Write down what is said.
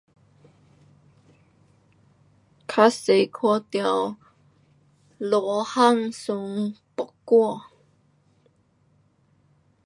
较多看到罗汉松，木瓜。